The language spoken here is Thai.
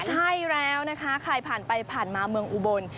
ใช่แล้วนะคะใครผ่านไปผ่านมาเมืองอุบล